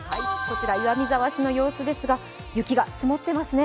岩見沢市の様子ですが、雪が積もってますね。